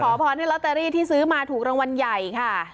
เพื่อจะขอพรที่ลอตเตอรี่ที่ซื้อมาถูกรางวัลใหญ่ค่ะ